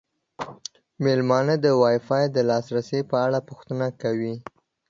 میلمانه د وای فای د لاسرسي په اړه پوښتنه کوي.